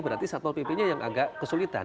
berarti satpol pp nya yang agak kesulitan